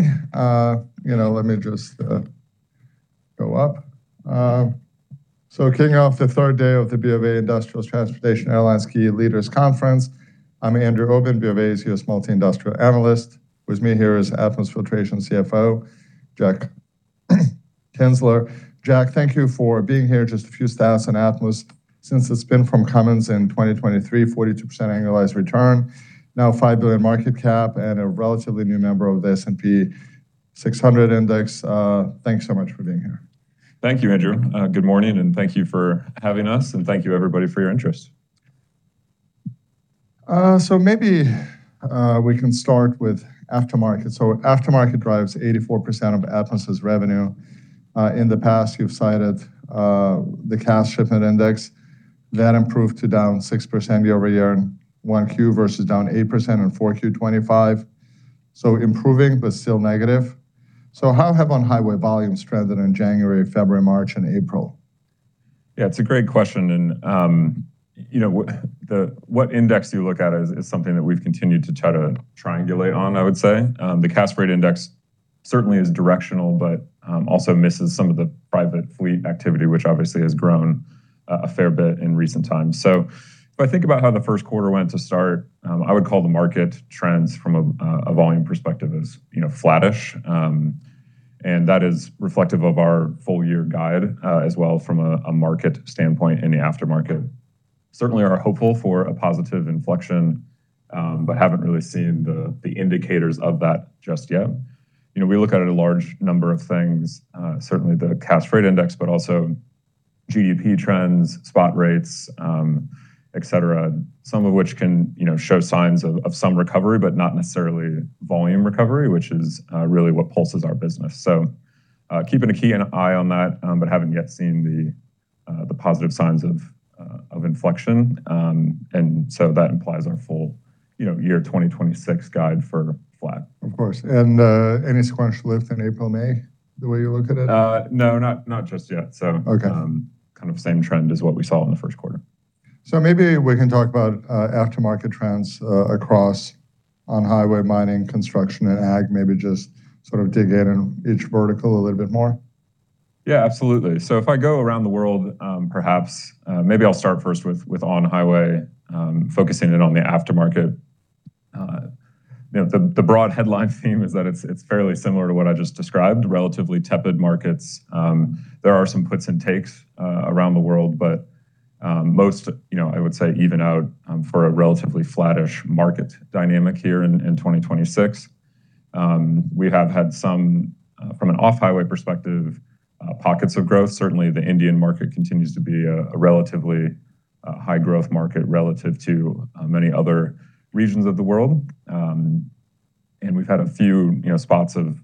Morning. You know, let me just go up. Kicking off the 3rd day of the BofA Industrials Transportation Airline Ski Leaders Conference. I'm Andrew Obin, BofA's U.S. multi-industrial analyst. With me here is Atmus Filtration CFO, Jack Kienzler. Jack, thank you for being here. Just a few stats on Atmus. Since the spin from Cummins in 2023, 42% annualized return, now $5 billion market cap, and a relatively new member of the S&P 600 index. Thanks so much for being here. Thank you, Andrew. Good morning, and thank you for having us, and thank you everybody for your interest. Maybe we can start with aftermarket. Aftermarket drives 84% of Atmus's revenue. In the past, you've cited the Cass Shipments Index. That improved to down 6% year-over-year in 1Q versus down 8% in 4Q 2025. Improving, but still negative. How have on-highway volumes trended in January, February, March, and April? Yeah, it's a great question, you know, what index you look at is something that we've continued to try to triangulate on, I would say. The Cass rate index certainly is directional, but also misses some of the private fleet activity, which obviously has grown a fair bit in recent times. If I think about how the first quarter went to start, I would call the market trends from a volume perspective as, you know, flattish. That is reflective of our full year guide as well from a market standpoint in the aftermarket. Certainly are hopeful for a positive inflection, but haven't really seen the indicators of that just yet. You know, we look at a large number of things, certainly the Cass rate index, but also GDP trends, spot rates, et cetera. Some of which can, you know, show signs of some recovery, but not necessarily volume recovery, which is really what pulses our business. Keeping a keen eye on that, but haven't yet seen the positive signs of inflection. That implies our full, you know, year 2026 guide for flat. Of course. Any squanch lift in April, May, the way you look at it? No, not just yet. Okay. Kind of same trend as what we saw in the first quarter. Maybe we can talk about aftermarket trends across on-highway mining, construction, and ag. Maybe just sort of dig in on each vertical a little bit more. Yeah, absolutely. If I go around the world, perhaps, maybe I'll start first with on-highway, focusing in on the aftermarket. You know, the broad headline theme is that it's fairly similar to what I just described, relatively tepid markets. There are some puts and takes around the world, but most, you know, I would say even out for a relatively flattish market dynamic here in 2026. We have had some from an off-highway perspective, pockets of growth. Certainly, the Indian market continues to be a relatively high growth market relative to many other regions of the world. We've had a few, you know, spots of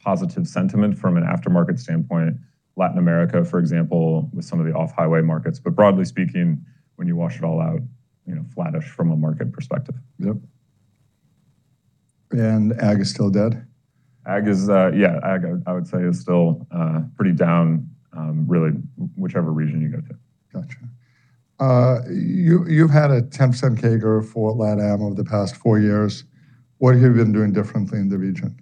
positive sentiment from an aftermarket standpoint. Latin America, for example, with some of the off-highway markets. Broadly speaking, when you wash it all out, you know, flattish from a market perspective. Yep. ag is still dead? Ag is, yeah, ag I would say is still pretty down, really whichever region you go to. Gotcha. You've had a 10% CAGR for Lat Am over the past 4 years. What have you been doing differently in the region?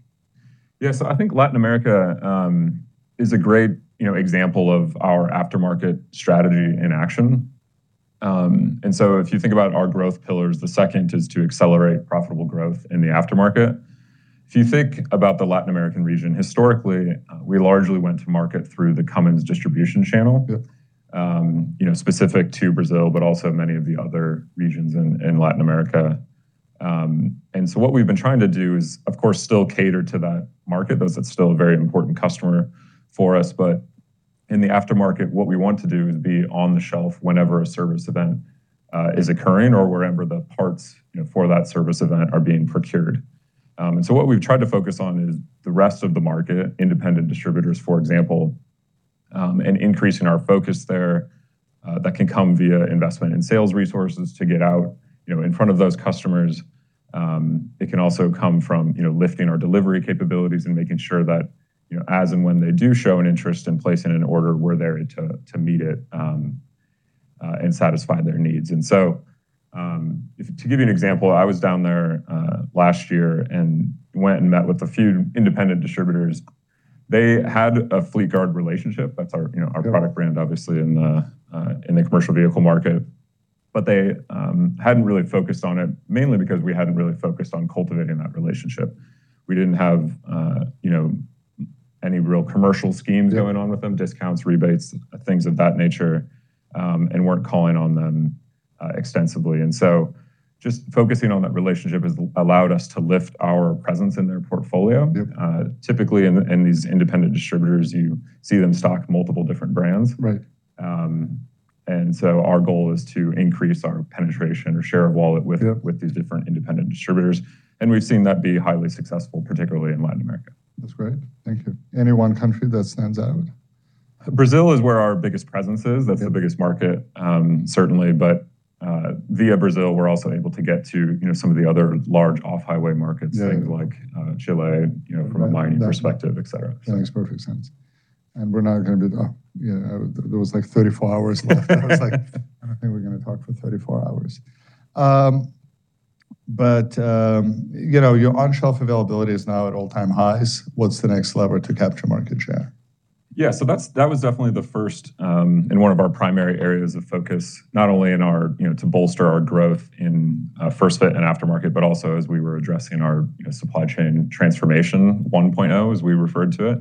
Yeah, I think Latin America is a great, you know, example of our aftermarket strategy in action. If you think about our growth pillars, the second is to accelerate profitable growth in the aftermarket. If you think about the Latin American region historically, we largely went to market through the Cummins distribution channel. Yep. You know, specific to Brazil, but also many of the other regions in Latin America. What we've been trying to do is, of course, still cater to that market, as it's still a very important customer for us. In the aftermarket, what we want to do is be on the shelf whenever a service event is occurring or wherever the parts, you know, for that service event are being procured. What we've tried to focus on is the rest of the market, independent distributors, for example, and increasing our focus there. That can come via investment in sales resources to get out, you know, in front of those customers. It can also come from, you know, lifting our delivery capabilities and making sure that, you know, as and when they do show an interest in placing an order, we're there to meet it and satisfy their needs. To give you an example, I was down there last year and went and met with a few independent distributors. They had a Fleetguard relationship. That's our, you know, our product brand obviously in the commercial vehicle market. They hadn't really focused on it, mainly because we hadn't really focused on cultivating that relationship. We didn't have, you know, any real commercial schemes going on with them, discounts, rebates, things of that nature, and weren't calling on them extensively. Just focusing on that relationship has allowed us to lift our presence in their portfolio. Yep. Typically in these independent distributors, you see them stock multiple different brands. Right. Our goal is to increase our penetration or share of wallet with. Yep with these different independent distributors, and we've seen that be highly successful, particularly in Latin America. That's great. Thank you. Any one country that stands out? Brazil is where our biggest presence is. That's the biggest market, certainly. Via Brazil, we're also able to get to, you know, some of the other large off-highway markets. Yeah things like Chile. You know, from a mining perspective, et cetera. Yeah, makes perfect sense. We're now going to be done. Yeah, there was like 34 hours left. I was like, "I don't think we're going to talk for 34 hours." You know, your on-shelf availability is now at all-time highs. What's the next lever to capture market share? So that was definitely the first and one of our primary areas of focus, not only in our, you know, to bolster our growth in first fit and aftermarket, but also as we were addressing our, you know, supply chain transformation 1.0, as we referred to it.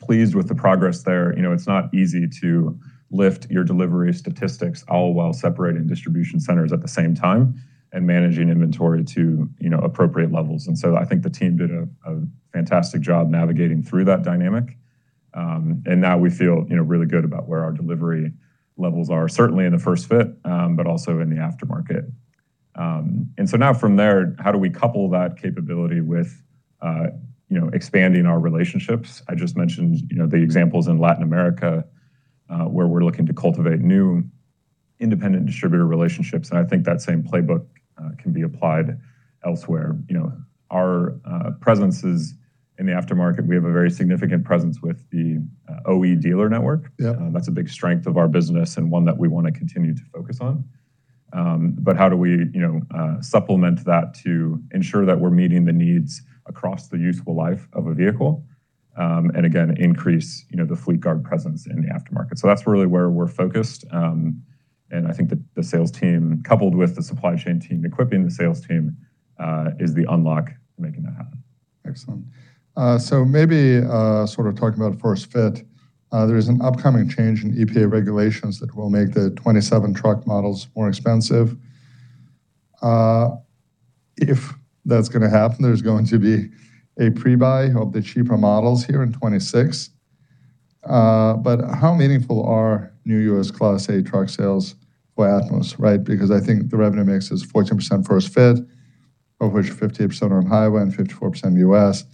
Pleased with the progress there. You know, it's not easy to lift your delivery statistics all while separating distribution centers at the same time and managing inventory to, you know, appropriate levels. I think the team did a fantastic job navigating through that dynamic. Now we feel, you know, really good about where our delivery levels are, certainly in the first fit, but also in the aftermarket. Now from there, how do we couple that capability with, you know, expanding our relationships? I just mentioned, you know, the examples in Latin America, where we're looking to cultivate new independent distributor relationships, and I think that same playbook, can be applied elsewhere. You know, our presence is in the aftermarket. We have a very significant presence with the OE dealer network. Yeah. That's a big strength of our business and one that we wanna continue to focus on. How do we, you know, supplement that to ensure that we're meeting the needs across the useful life of a vehicle, and again, increase, you know, the Fleetguard presence in the aftermarket? That's really where we're focused, and I think the sales team, coupled with the supply chain team equipping the sales team, is the unlock to making that happen. Excellent. Maybe, sort of talking about first fit, there is an upcoming change in EPA regulations that will make the 2027 truck models more expensive. If that's gonna happen, there's going to be a pre-buy of the cheaper models here in 2026. How meaningful are new U.S. Class 8 truck sales for Atmus, right? Because I think the revenue mix is 14% first fit, of which 58% are on highway and 54% U.S.,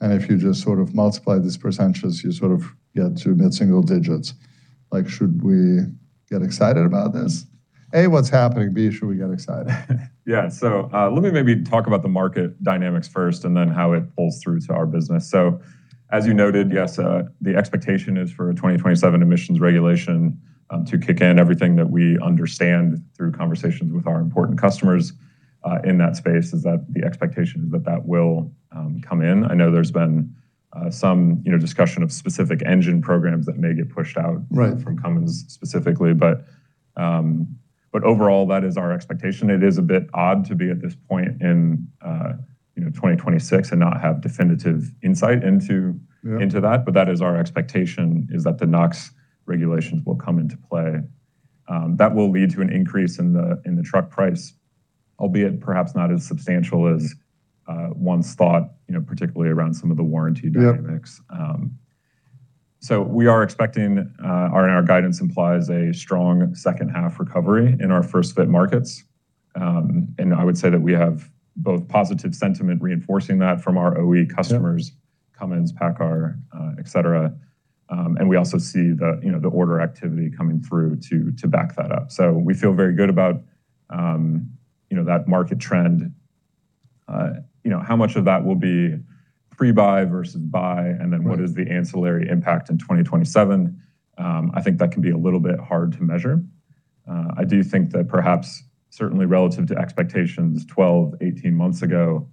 and if you just sort of multiply these percentages, you sort of get to mid-single digits. Like, should we get excited about this? A, what's happening? B, should we get excited? Yeah. Let me maybe talk about the market dynamics first and then how it pulls through to our business. As you noted, yes, the expectation is for a 2027 emissions regulation to kick in. Everything that we understand through conversations with our important customers in that space is that the expectation is that that will come in. I know there's been some, you know, discussion of specific engine programs that may get pushed out. Right from Cummins specifically. Overall, that is our expectation. It is a bit odd to be at this point in, you know, 2026 and not have definitive insight into. Yeah into that, but that is our expectation, is that the NOx regulations will come into play. That will lead to an increase in the, in the truck price, albeit perhaps not as substantial as once thought, you know, particularly around some of the warranty dynamics. Yeah. We are expecting and our guidance implies a strong second half recovery in our first fit markets. I would say that we have both positive sentiment reinforcing that from our OE customers. Yeah Cummins, PACCAR, et cetera. We also see the, you know, the order activity coming through to back that up. We feel very good about, you know, that market trend. You know, how much of that will be pre-buy versus buy? Right What is the ancillary impact in 2027, I think that can be a little bit hard to measure. I do think that perhaps certainly relative to expectations 12, 18 months ago,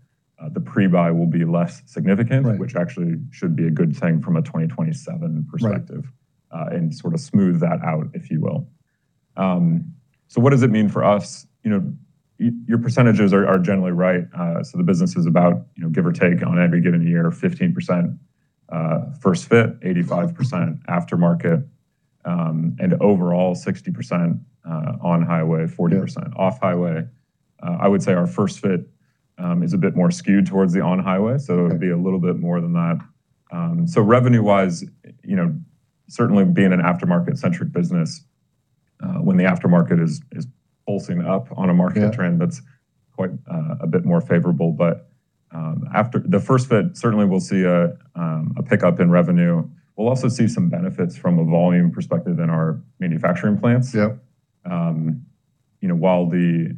the pre-buy will be less significant. Right which actually should be a good thing from a 2027 perspective. Right and sort of smooth that out, if you will. What does it mean for us? You know, your percentages are generally right. The business is about, you know, give or take on every given year, 15% first fit, 85% aftermarket, overall 60% on highway- Yeah 40% off highway. I would say our first fit is a bit more skewed towards the on highway, so it'd be a little bit more than that. Revenue-wise, you know, certainly being an aftermarket-centric business, when the aftermarket is pulsing up on a market trend. Yeah that's quite a bit more favorable. After the first fit, certainly we'll see a pickup in revenue. We'll also see some benefits from a volume perspective in our manufacturing plants. Yeah. You know, while the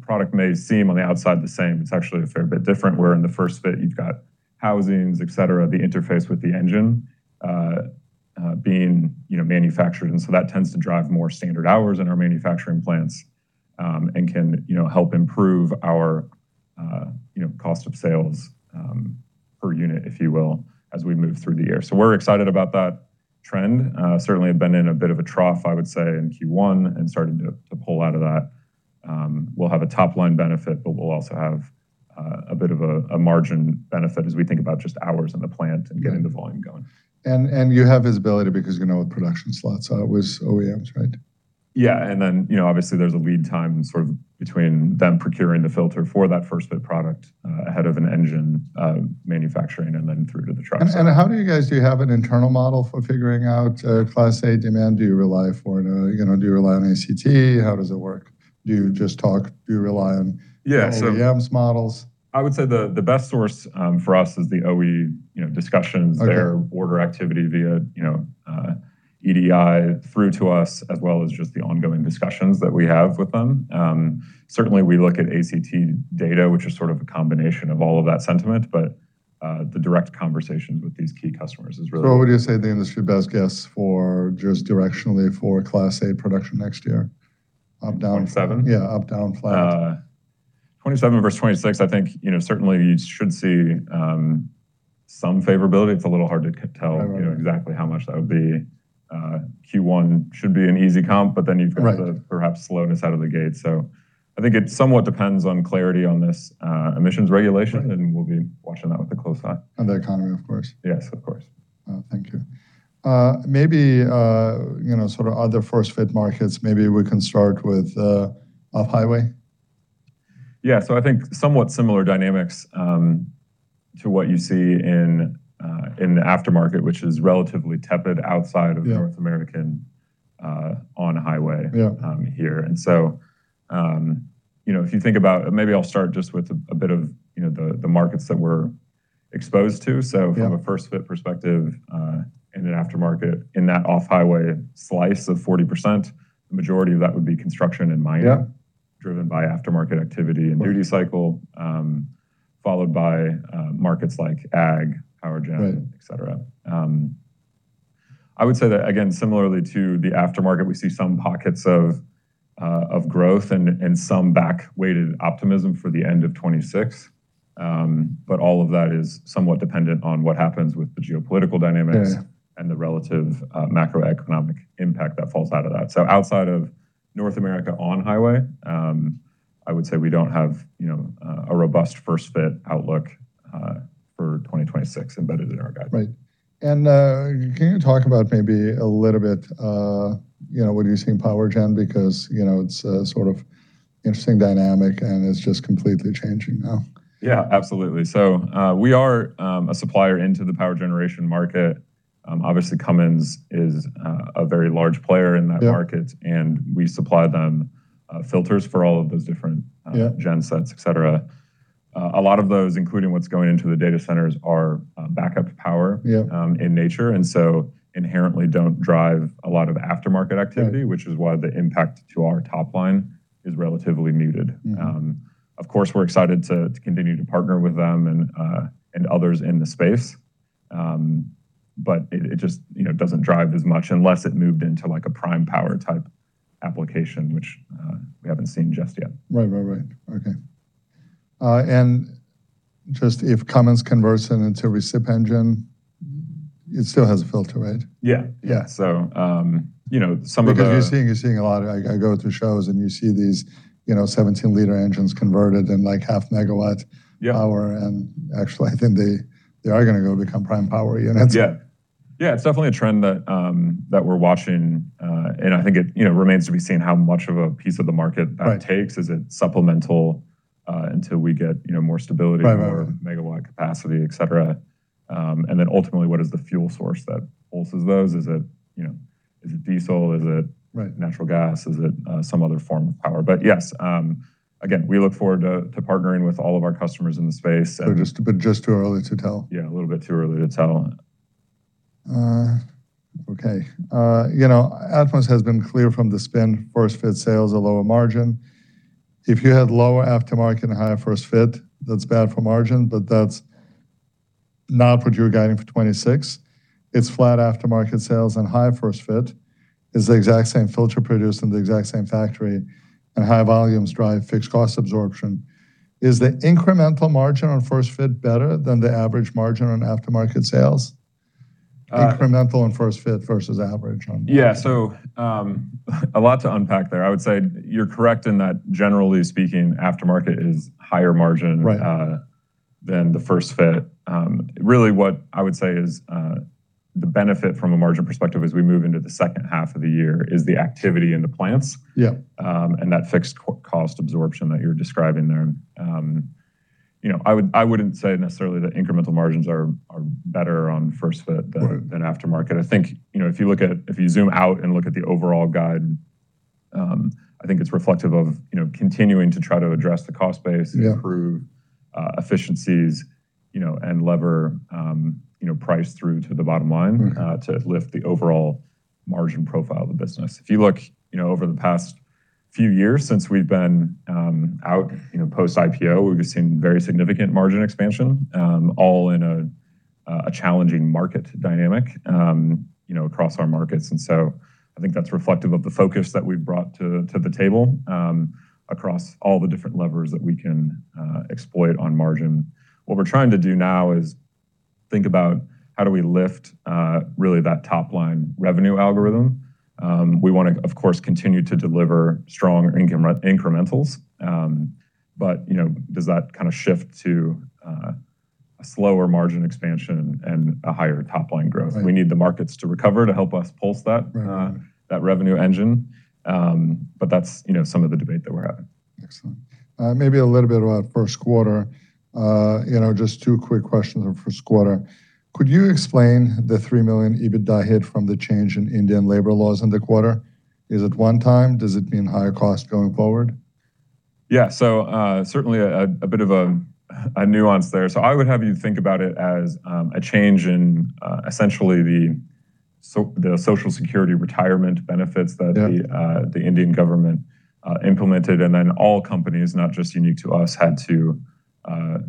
product may seem on the outside the same, it's actually a fair bit different, where in the first fit you've got housings, et cetera, the interface with the engine being, you know, manufactured. That tends to drive more standard hours in our manufacturing plants and can, you know, help improve our, you know, cost of sales per unit, if you will, as we move through the year. We're excited about that trend. Certainly have been in a bit of a trough, I would say, in Q1 and starting to pull out of that. We'll have a top-line benefit, but we'll also have a bit of a margin benefit as we think about just hours in the plant and getting the volume going. You have visibility because you know what production slots are with OEMs, right? Yeah. Then, you know, obviously there's a lead time sort of between them procuring the filter for that first fit product, ahead of an engine, manufacturing and then through to the truck side. How do you have an internal model for figuring out Class 8 demand? Do you rely, you know, do you rely on ACT? How does it work? Do you just rely on? Yeah. the OEM's models? I would say the best source, for us is the OE, you know, discussions. Okay their order activity via, you know, EDI through to us, as well as just the ongoing discussions that we have with them. Certainly we look at ACT data, which is sort of a combination of all of that sentiment, but the direct conversations with these key customers. What would you say the industry best guess for just directionally for Class 8 production next year? Up, down? 2027. Yeah, up, down, flat. 27 versus 26, I think, you know, certainly you should see some favorability. It's a little hard to tell. Right. you know, exactly how much that would be. Q1 should be an easy comp, but then you've got the- Right perhaps slowness out of the gate. I think it somewhat depends on clarity on this, emissions regulation. Right We'll be watching that with a close eye. The economy, of course. Yes, of course. Thank you. Maybe, you know, sort of other first-fit markets, maybe we can start with off-highway. I think somewhat similar dynamics to what you see in the aftermarket, which is relatively tepid outside of. Yeah North American, on-highway. Yeah here. you know, if you think about Maybe I'll start just with a bit of, you know, the markets that we're exposed to. Yeah. From a first-fit perspective, in an aftermarket, in that off-highway slice of 40%, the majority of that would be construction and mining. Yeah driven by aftermarket activity and duty cycle, followed by markets like ag, power generation. Right et cetera. I would say that again, similarly to the aftermarket, we see some pockets of growth and some back-weighted optimism for the end of 2026. All of that is somewhat dependent on what happens with the geopolitical dynamics. Yeah The relative macroeconomic impact that falls out of that. Outside of North America on-highway, I would say we don't have, you know, a robust first-fit outlook for 2026 embedded in our guide. Right. Can you talk about maybe a little bit, you know, what are you seeing in power gen? Because, you know, it's a sort of interesting dynamic, and it's just completely changing now. Yeah, absolutely. We are a supplier into the power generation market. Obviously Cummins is a very large player in that market. Yeah We supply them, filters for all of those. Yeah gensets, et cetera. A lot of those, including what's going into the data centers, are, backup power. Yeah in nature, and so inherently don't drive a lot of aftermarket activity. Yeah which is why the impact to our top line is relatively muted. Of course, we're excited to continue to partner with them and others in the space. It just, you know, doesn't drive as much unless it moved into like a prime power type application, which we haven't seen just yet. Right, right. Okay. Just if Cummins converts it into recip engine, it still has a filter, right? Yeah. Yeah. So, um, you know, some of the- Because you're seeing a lot I go to shows and you see these, you know, 17-liter engines converted in like half megawatt. Yeah power and actually I think they are gonna go become prime power units. Yeah. Yeah, it's definitely a trend that we're watching. I think it, you know, remains to be seen how much of a piece of the market that takes. Right. Is it supplemental, until we get, you know, more stability. Right. more megawatt capacity, et cetera. Ultimately, what is the fuel source that pulses those? Is it, you know, is it diesel? Right natural gas? Is it, some other form of power? Yes, again, we look forward to partnering with all of our customers in the space. Just too early to tell. Yeah, a little bit too early to tell. Okay. You know, Atmus has been clear from the spin, first-fit sale is a lower margin. If you had lower aftermarket and higher first-fit, that's bad for margin, that's not what you're guiding for 26. It's flat aftermarket sales and high first-fit. It's the exact same filter produced in the exact same factory, high volumes drive fixed cost absorption. Is the incremental margin on first-fit better than the average margin on aftermarket sales? Uh- Incremental first-fit versus average Yeah. A lot to unpack there. I would say you're correct in that generally speaking, aftermarket is higher margin. Right than the first-fit. really what I would say is, the benefit from a margin perspective as we move into the second half of the year is the activity in the plants. Yeah That fixed cost absorption that you're describing there. You know, I wouldn't say necessarily that incremental margins are better on first-fit than aftermarket. I think, you know, if you zoom out and look at the overall guide, I think it's reflective of, you know, continuing to try to address the cost base. Yeah improve, efficiencies, you know, and lever, you know, price through to the bottom line. to lift the overall margin profile of the business. If you look, you know, over the past few years since we've been out, you know, post-IPO, we've seen very significant margin expansion, all in a challenging market dynamic, you know, across our markets. I think that's reflective of the focus that we've brought to the table, across all the different levers that we can exploit on margin. What we're trying to do now is think about how do we lift really that top line revenue algorithm. We wanna, of course, continue to deliver strong income incrementals. You know, does that kind of shift to a slower margin expansion and a higher top line growth? Right. We need the markets to recover to help us pulse that. Right, right. That revenue engine. That's, you know, some of the debate that we're having. Excellent. Maybe a little bit about first quarter. You know, just 2 quick questions on first quarter. Could you explain the $3 million EBITDA hit from the change in Indian labor laws in the quarter? Is it 1 time? Does it mean higher cost going forward? Yeah. certainly a bit of a nuance there. I would have you think about it as a change in essentially the Social Security retirement benefits that the- Yeah The Indian government implemented. All companies, not just unique to us, had to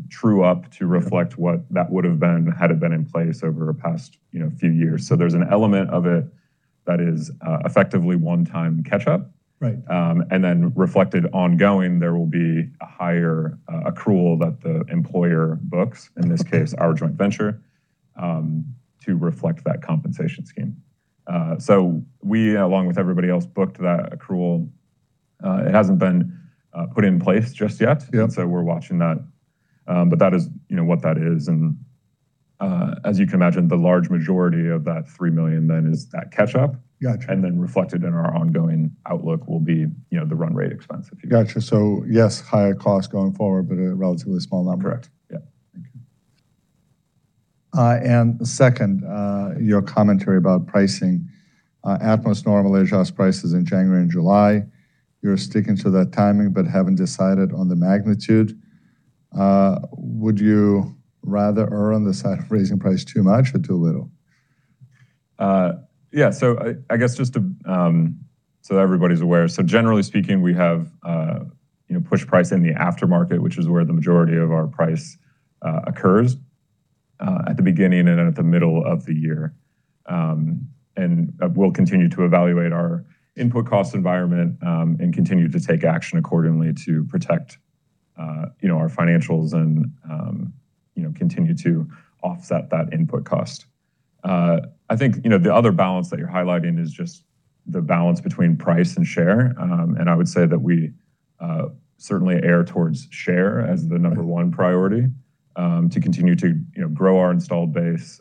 true up to reflect what that would've been had it been in place over a past, you know, few years. There's an element of it that is effectively one-time catch-up. Right. Reflected ongoing, there will be a higher accrual that the employer books. Okay in this case, our joint venture, to reflect that compensation scheme. We, along with everybody else, booked that accrual. It hasn't been put in place just yet. Yeah. We're watching that. That is, you know, what that is. As you can imagine, the large majority of that $3 million then is that catch-up. Gotcha. Then reflected in our ongoing outlook will be, you know, the run rate expense, if you will. Gotcha. Yes, higher cost going forward, but a relatively small number. Correct. Yeah. Thank you. Second, your commentary about pricing. Atmus normally adjusts prices in January and July. You're sticking to that timing, but haven't decided on the magnitude. Would you rather err on the side of raising price too much or too little? Yeah, I guess just to, so everybody's aware, generally speaking, we have, you know, push price in the aftermarket, which is where the majority of our price occurs at the beginning and at the middle of the year. We'll continue to evaluate our input cost environment and continue to take action accordingly to protect, you know, our financials and, you know, continue to offset that input cost. I think, you know, the other balance that you're highlighting is just the balance between price and share. I would say that we certainly err towards share as the number 1 priority to continue to, you know, grow our installed base,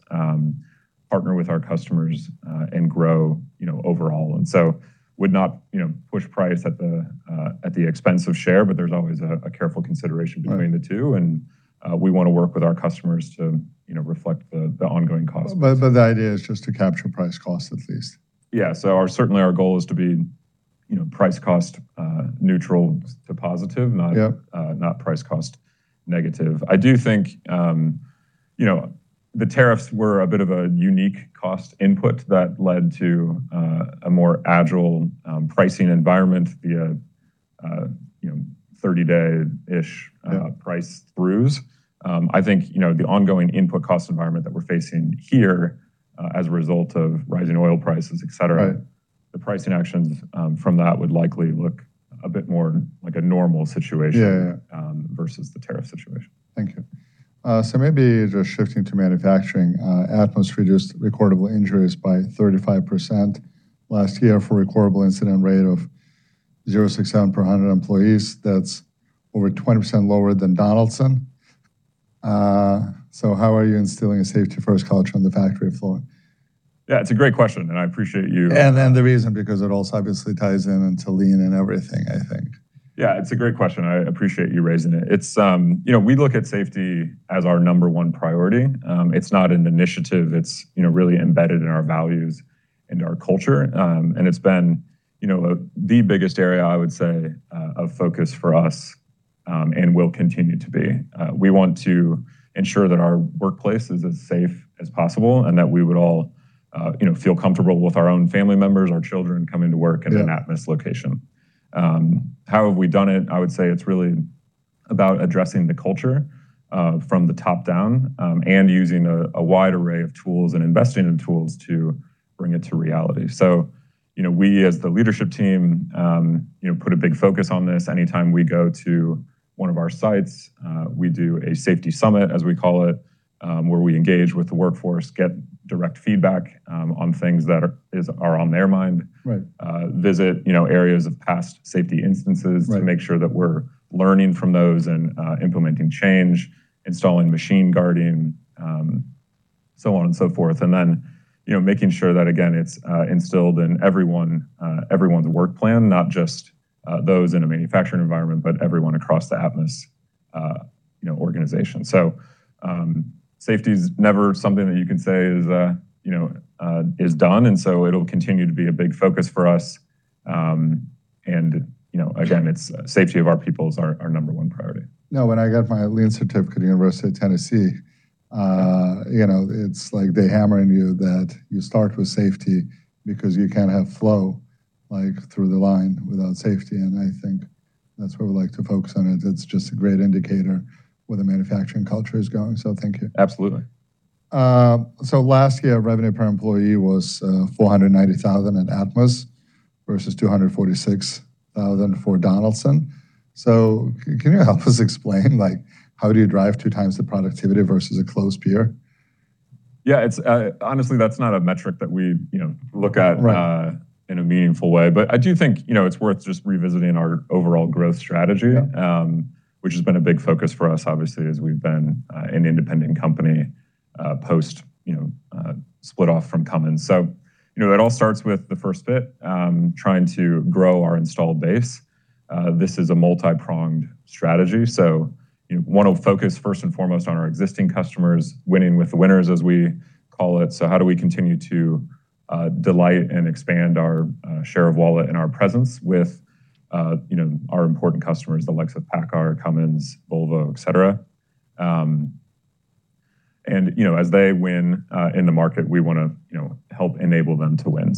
partner with our customers, and grow, you know, overall. Would not, you know, push price at the, at the expense of share, but there's always a careful consideration between the two. Right. We wanna work with our customers to, you know, reflect the ongoing cost increases. The idea is just to capture price cost at least. Yeah. Our, certainly our goal is to be, you know, price cost neutral to positive. Yeah not price cost negative. I do think, you know, the tariffs were a bit of a unique cost input that led to a more agile pricing environment via, you know, 30-day-ish. Yeah price throughs. I think, you know, the ongoing input cost environment that we're facing here, as a result of rising oil prices, et cetera. Right the pricing actions, from that would likely look a bit more like a normal situation. Yeah. Yeah versus the tariff situation. Thank you. Maybe just shifting to manufacturing, Atmus reduced recordable injuries by 35% last year for a recordable incident rate of 0.67 per 100 employees. That's over 20% lower than Donaldson. How are you instilling a safety-first culture on the factory floor? Yeah, it's a great question, and I appreciate you. The reason, because it also obviously ties in into lean and everything, I think. Yeah, it's a great question. I appreciate you raising it. It's, you know, we look at safety as our number one priority. It's not an initiative. It's, you know, really embedded in our values and our culture. It's been, you know, the biggest area, I would say, of focus for us, and will continue to be. We want to ensure that our workplace is as safe as possible, and that we would all, you know, feel comfortable with our own family members, our children coming to work in an Atmus location. Yeah. How have we done it? I would say it's really about addressing the culture from the top down, and using a wide array of tools and investing in tools to bring it to reality. You know, we as the leadership team, you know, put a big focus on this. Anytime we go to one of our sites, we do a safety summit, as we call it, where we engage with the workforce, get direct feedback on things that are on their mind. Right. visit, you know, areas of past safety instances. Right to make sure that we're learning from those, implementing change, installing machine guarding, so on and so forth. You know, making sure that, again, it's instilled in everyone's work plan, not just those in a manufacturing environment, but everyone across the Atmus, you know, organization. Safety's never something that you can say is, you know, is done, it'll continue to be a big focus for us. You know, again, it's safety of our people is our number one priority. When I got my lean certificate at University of Tennessee, you know, it's like they hammer in you that you start with safety because you can't have flow, like through the line, without safety. I think that's why we like to focus on it. It's just a great indicator where the manufacturing culture is going. Thank you. Absolutely. Last year, revenue per employee was $490,000 at Atmus versus $246,000 for Donaldson. Can you help us explain, like, how do you drive 2 times the productivity versus a close peer? It's, honestly, that's not a metric that we, you know, look at. Right in a meaningful way. I do think, you know, it's worth just revisiting our overall growth strategy. Yeah which has been a big focus for us, obviously, as we've been an independent company, post, you know, split off from Cummins. You know, it all starts with the first bit, trying to grow our installed base. This is a multi-pronged strategy. You wanna focus first and foremost on our existing customers, winning with the winners, as we call it. How do we continue to delight and expand our share of wallet and our presence with, you know, our important customers, the likes of PACCAR, Cummins, Volvo, et cetera. You know, as they win in the market, we wanna, you know, help enable them to win.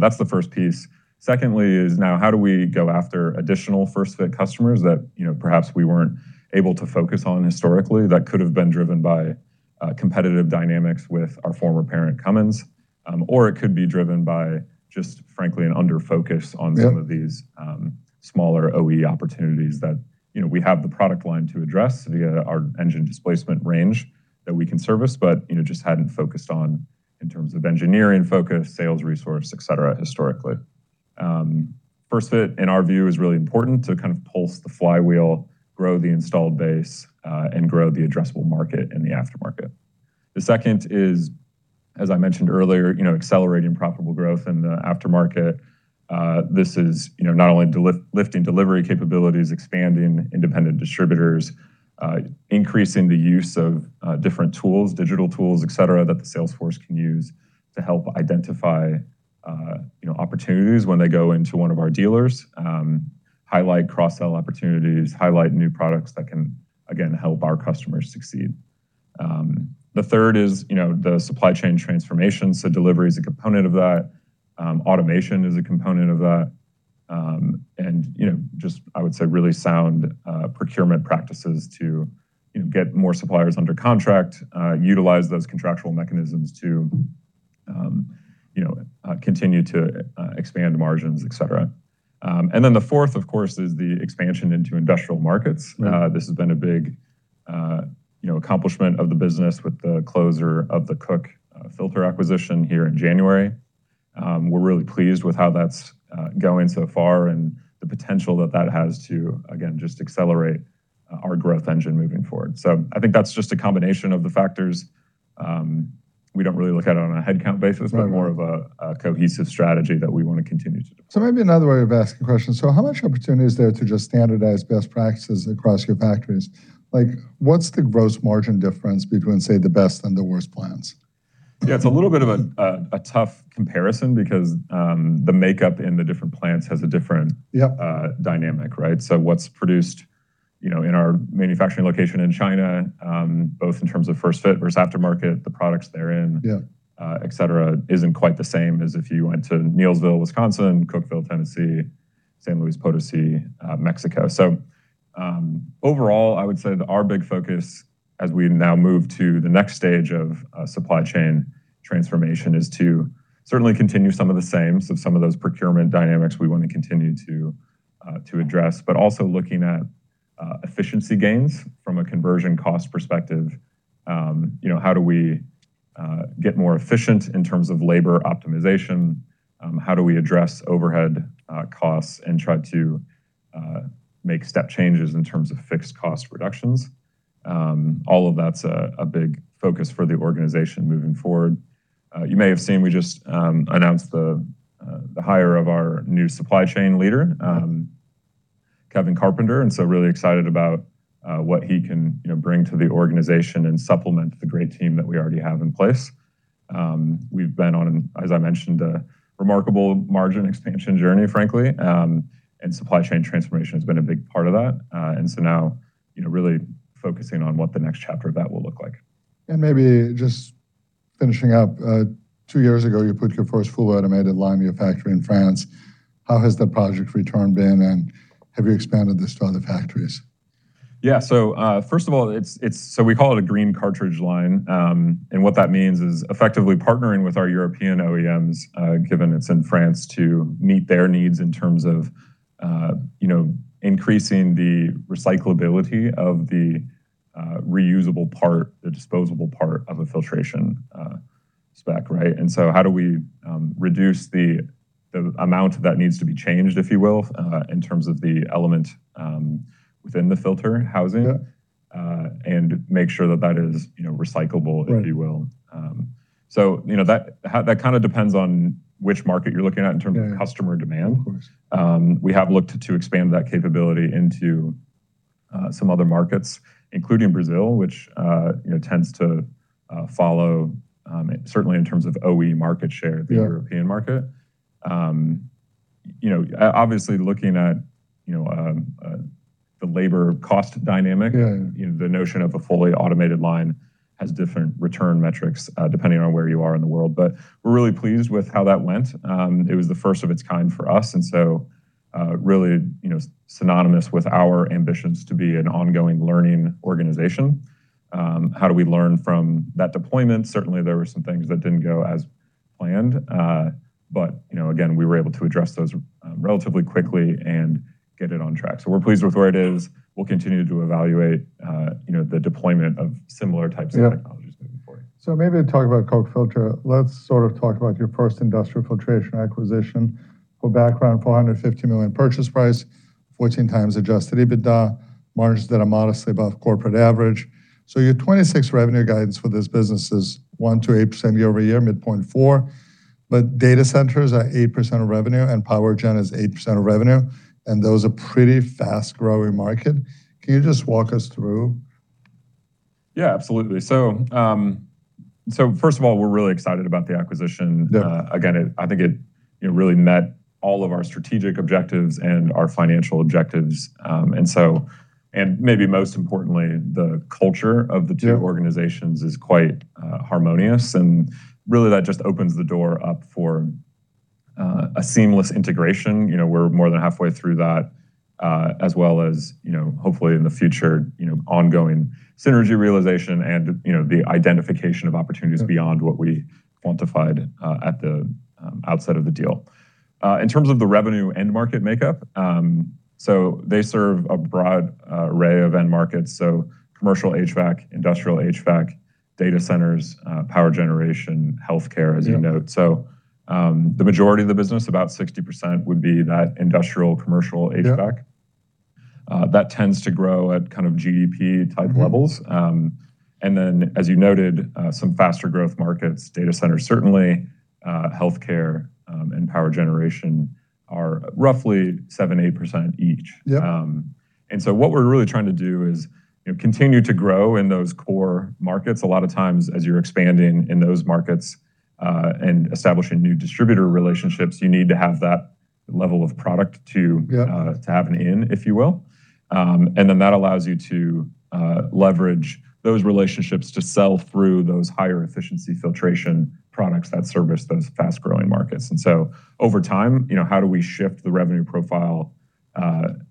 That's the first piece. Secondly is now how do we go after additional first-fit customers that, you know, perhaps we weren't able to focus on historically that could have been driven by competitive dynamics with our former parent, Cummins? Yeah some of these, smaller OE opportunities that, you know, we have the product line to address via our engine displacement range that we can service, but, you know, just hadn't focused on in terms of engineering focus, sales resource, et cetera, historically. First fit in our view is really important to kind of pulse the flywheel, grow the installed base, and grow the addressable market in the aftermarket. The second is, as I mentioned earlier, you know, accelerating profitable growth in the aftermarket. This is, you know, not only lifting delivery capabilities, expanding independent distributors, increasing the use of different tools, digital tools, et cetera, that the sales force can use to help identify, you know, opportunities when they go into one of our dealers, highlight cross-sell opportunities, highlight new products that can, again, help our customers succeed. The third is, you know, the supply chain transformation, so delivery is a component of that. Automation is a component of that. Just I would say really sound procurement practices to, you know, get more suppliers under contract, utilize those contractual mechanisms to, you know, continue to expand margins, et cetera. Then the fourth, of course, is the expansion into industrial markets. This has been a big, you know, accomplishment of the business with the closure of the Cook Filter acquisition here in January. We're really pleased with how that's going so far and the potential that that has to, again, just accelerate our growth engine moving forward. I think that's just a combination of the factors. We don't really look at it on a headcount basis. Right More of a cohesive strategy that we wanna continue to do. Maybe another way of asking the question. How much opportunity is there to just standardize best practices across your factories? Like, what's the gross margin difference between, say, the best and the worst plants? Yeah, it's a little bit of a tough comparison because the makeup in the different plants has a different. Yeah dynamic, right? What's produced, you know, in our manufacturing location in China, both in terms of first fit versus aftermarket, the products they're Yeah et cetera, isn't quite the same as if you went to Neillsville, Wisconsin, Cookeville, Tennessee, San Luis Potosi, Mexico. Overall, I would say that our big focus as we now move to the next stage of supply chain transformation is to certainly continue some of the same, so some of those procurement dynamics we wanna continue to address, but also looking at efficiency gains from a conversion cost perspective. You know, how do we get more efficient in terms of labor optimization? How do we address overhead costs and try to make step changes in terms of fixed cost reductions? All of that's a big focus for the organization moving forward. You may have seen we just announced the hire of our new supply chain leader Kevin Carpenter, really excited about what he can, you know, bring to the organization and supplement the great team that we already have in place. We've been on, as I mentioned, a remarkable margin expansion journey, frankly, and supply chain transformation has been a big part of that. Now, you know, really focusing on what the next chapter of that will look like. Maybe just finishing up, 2 years ago, you put your first fully automated line in your factory in France. How has the project return been, and have you expanded this to other factories? Yeah. First of all, it's we call it a green cartridge line. What that means is effectively partnering with our European OEMs, given it's in France, to meet their needs in terms of, you know, increasing the recyclability of the reusable part, the disposable part of a filtration spec, right? How do we reduce the amount that needs to be changed, if you will, in terms of the element, within the filter housing. Yeah make sure that that is, you know, recyclable. Right if you will. You know, that kind of depends on which market you're looking at in terms of. Yeah customer demand. Of course. We have looked to expand that capability into some other markets, including Brazil, which, you know, tends to follow certainly in terms of OE market share. Yeah the European market. You know, obviously looking at, you know, the labor cost. Yeah you know, the notion of a fully automated line has different return metrics, depending on where you are in the world. We're really pleased with how that went. It was the first of its kind for us and so, really, you know, synonymous with our ambitions to be an ongoing learning organization. How do we learn from that deployment? Certainly, there were some things that didn't go as planned. You know, again, we were able to address those, relatively quickly and get it on track. We're pleased with where it is. We'll continue to evaluate, you know, the deployment of similar. Yeah technologies moving forward. Maybe to talk about Cook Filter, let's sort of talk about your first industrial filtration acquisition. For background, $450 million purchase price, 14x adjusted EBITDA, margins that are modestly above corporate average. Your 2026 revenue guidance for this business is 1%-8% year-over-year, midpoint 4%. Data centers are 8% of revenue and power gen is 8% of revenue, and those are pretty fast-growing market. Can you just walk us through? Yeah, absolutely. First of all, we're really excited about the acquisition. Yeah. Again, I think it, you know, really met all of our strategic objectives and our financial objectives. Maybe most importantly, the culture of the two- Yeah organizations is quite harmonious, and really that just opens the door up for a seamless integration. You know, we're more than halfway through that as well as, you know, hopefully in the future, you know, ongoing synergy realization and, you know, the identification of opportunities. Yeah beyond what we quantified, at the outset of the deal. In terms of the revenue end market makeup, they serve a broad array of end markets, so commercial HVAC, industrial HVAC, data centers, power generation, healthcare. Yeah as you note. The majority of the business, about 60% would be that industrial commercial HVAC. Yeah. That tends to grow at kind of GDP type levels. Then as you noted, some faster growth markets, data centers certainly, healthcare, and power generation are roughly 7%, 8% each. Yeah. What we're really trying to do is, you know, continue to grow in those core markets. A lot of times as you're expanding in those markets, and establishing new distributor relationships, you need to have that level of product to- Yeah to have an in, if you will. That allows you to leverage those relationships to sell through those higher efficiency filtration products that service those fast-growing markets. Over time, you know, how do we shift the revenue profile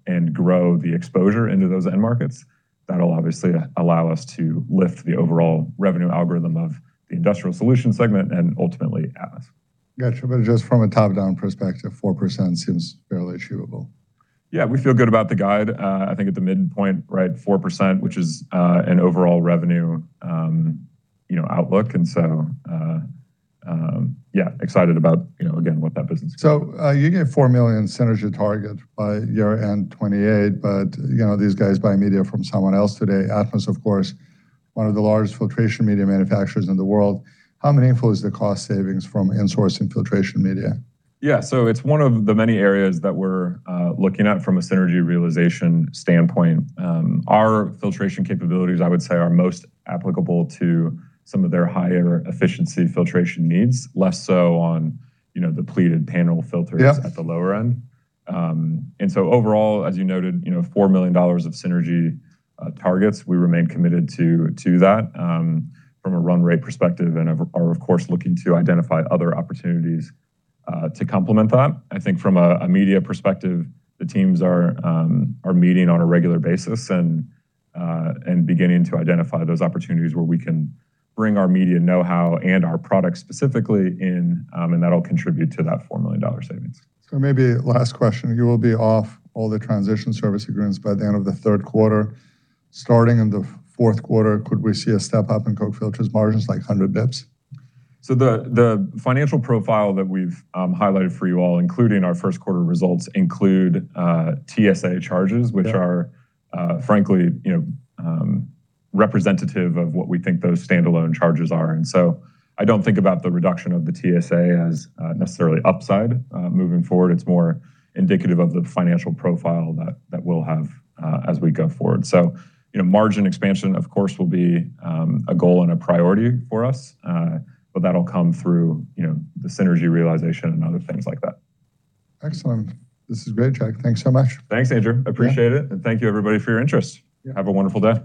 and grow the exposure into those end markets? That'll obviously allow us to lift the overall revenue algorithm of the industrial solutions segment and ultimately Atmus. Gotcha. Just from a top-down perspective, 4% seems fairly achievable. Yeah, we feel good about the guide. I think at the midpoint, right, 4%, which is an overall revenue, you know, outlook. You get $4 million synergy target by year-end 2028, but you know, these guys buy media from someone else today. Atmus, of course, one of the largest filtration media manufacturers in the world. How meaningful is the cost savings from insourcing filtration media? Yeah. It's one of the many areas that we're looking at from a synergy realization standpoint. Our filtration capabilities, I would say, are most applicable to some of their higher efficiency filtration needs, less so on, you know, the pleated panel filters. Yeah at the lower end. Overall, as you noted, you know, $4 million of synergy targets, we remain committed to that from a run rate perspective and are of course looking to identify other opportunities to complement that. I think from a media perspective, the teams are meeting on a regular basis and beginning to identify those opportunities where we can bring our media knowhow and our products specifically in, and that'll contribute to that $4 million savings. Maybe last question. You will be off all the transition service agreements by the end of the third quarter. Starting in the fourth quarter, could we see a step up in Cook Filter margins like 100 basis points? The financial profile that we've highlighted for you all, including our first quarter results, include TSA charges. Yeah which are, frankly, you know, representative of what we think those standalone charges are. I don't think about the reduction of the TSA as necessarily upside moving forward. It's more indicative of the financial profile that we'll have as we go forward. You know, margin expansion, of course, will be a goal and a priority for us, but that'll come through, you know, the synergy realization and other things like that. Excellent. This is great, Jack. Thanks so much. Thanks, Andrew. Appreciate it, and thank you, everybody, for your interest. Yeah. Have a wonderful day.